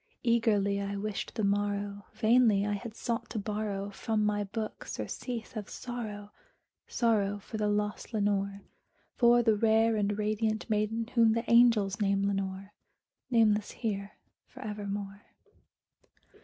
Eagerly I wished the morrow: vainly I had sought to borrow From my books surcease of sorrow sorrow for the lost Lenore For the rare and radiant maiden whom the angels name Lenore Nameless here for evermore.